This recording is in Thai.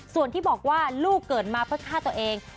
ส่วนที่บอกว่าลูกเกิดมาเพื่อฆ่าตัวเอง